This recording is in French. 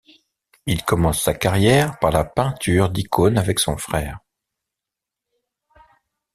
Il commence sa carrière par la peinture d'icônes avec son frère.